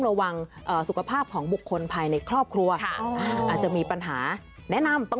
สุขภาพของบุคคลภายในครอบครัวอาจจะมีปัญหาแนะนำ